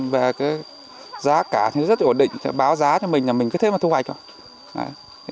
về cái giá cả thì rất ổn định báo giá cho mình là mình cứ thêm vào thu hoạch